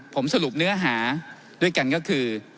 ผมสรุปเนื้อหาด้วยกันก็คือ